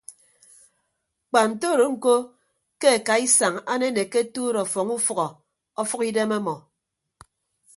Kpa ntodo ñko ke akaisañ anenekke atuut ọfọñ ufʌhọ ọfʌk idem ọmọ.